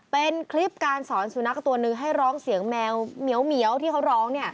เป็นคลิปการสอนสุนัขตัวหนึ่งให้ร้องเสียงแมวเหมียวที่เขาร้อง